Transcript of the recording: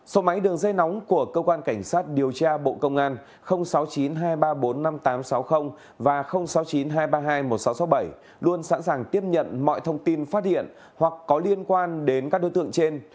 số máy đường dây nóng của cơ quan cảnh sát điều tra bộ công an sáu mươi chín hai trăm ba mươi bốn năm nghìn tám trăm sáu mươi và sáu mươi chín hai trăm ba mươi hai một nghìn sáu trăm sáu mươi bảy luôn sẵn sàng tiếp nhận mọi thông tin phát hiện hoặc có liên quan đến các đối tượng trên